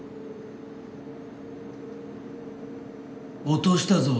落としたぞ。